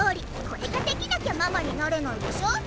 これができなきゃママになれないでしょ。